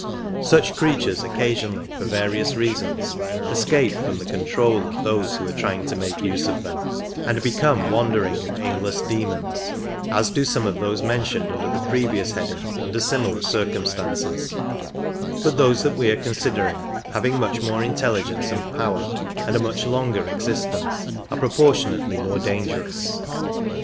Such creatures occasionally, for various reasons, escape from the control of those who are trying to make use of them, and become wandering and aimless demons, as do some of those mentioned under the previous heading under similar circumstances ; but those that we are considering, having much more intelligence and power, and a much longer ex istence, are proportionately more dangerous.